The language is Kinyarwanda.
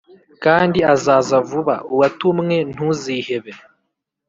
kandi azaza vuba uwa tumwe ntuzihebe